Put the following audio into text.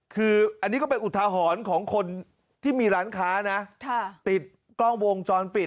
คืออันนี้ก็เป็นอุทาหรณ์ของคนที่มีร้านค้านะติดกล้องวงจรปิด